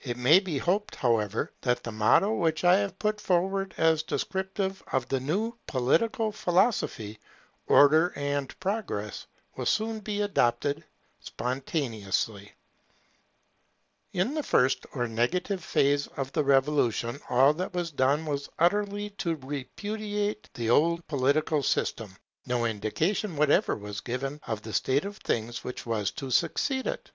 It may be hoped, however, that the motto which I have put forward as descriptive of the new political philosophy, Order and Progress, will soon be adopted spontaneously. [First revolutionary motto, Liberty and Equality] In the first or negative phase of the Revolution, all that was done was utterly to repudiate the old political system. No indication whatever was given of the state of things which was to succeed it.